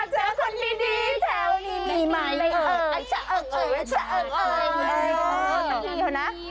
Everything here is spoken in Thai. อยากเจอคนดีแถวนี้